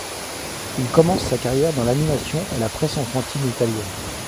Il commence sa carrière dans l'animation et la presse enfantine italienne.